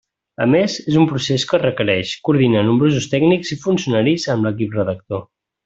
A més, és un procés que requerix coordinar nombrosos tècnics i funcionaris amb l'equip redactor.